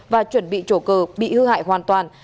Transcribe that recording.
và chuẩn bị chỗ cờ bị hư hại hoàn toàn